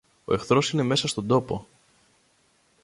Ο εχθρός είναι μέσα στον τόπο!